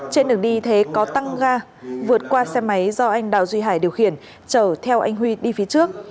trên đường đi thế có tăng ga vượt qua xe máy do anh đào duy hải điều khiển chở theo anh huy đi phía trước